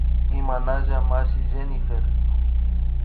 Imanalla mashi Jenyfer